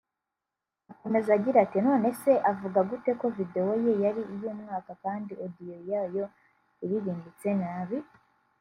Akomeza agira ati “Nonese avuga gute ko video ye ari iy’umwaka kandi audio yayo iririmbitse nabi